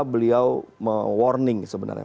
beliau me warning sebenarnya